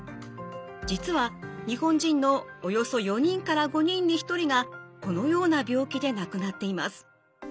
実は日本人のおよそ４人から５人に１人がこのような病気で亡くなっています。